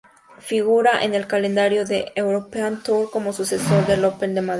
Figuraba en el calendario de la European Tour como sucesor del Open de Madrid.